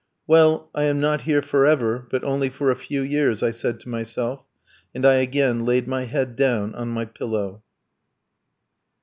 "Well, I am not here for ever, but only for a few years," I said to myself, and I again laid my head down on my pillow.